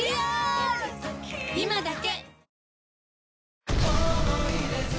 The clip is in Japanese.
今だけ！